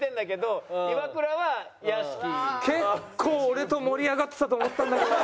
結構俺と盛り上がってたと思ったんだけどな。